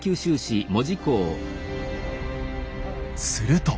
すると。